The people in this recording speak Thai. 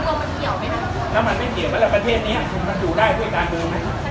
มันไม่เกี่ยวเมื่อมันเงียบงานประเทศเนี้ยมันอยู่ได้ด้วยบาทลงงาน